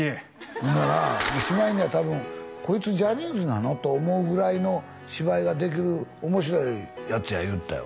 ほんならしまいには多分こいつジャニーズなの？と思うぐらいの芝居ができる面白いやつや言うてたよ